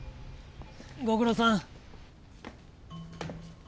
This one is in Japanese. ご苦労さん。